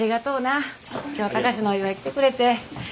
今日は貴司のお祝い来てくれて。